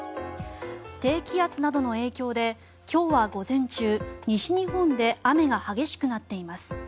低気圧などの影響で今日は午前中、西日本で雨が激しくなっています。